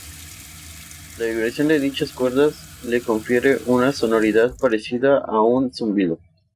La vibración de dichas cuerdas le confiere una sonoridad parecida a un zumbido.